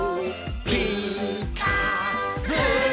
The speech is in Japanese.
「ピーカーブ！」